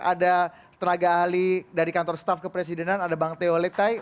ada tenaga ahli dari kantor staf kepresidenan ada bang teo letai